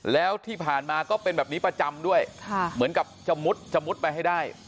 แล้วที่ผ่านมาก็เป็นแบบนี้ประจำด้วยเหมือนกับจะมุดจะมุดไปให้ได้